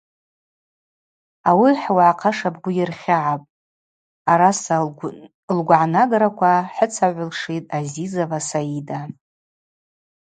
Ауи хӏуагӏахъа шабгу йырхьыгӏапӏ, – араса лгвгӏанаграква хӏыцагӏвылшитӏ Азизова Саида.